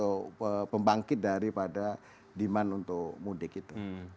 jadi itu menjadi apa pembangkit pembangkit daripada demand untuk mudik itu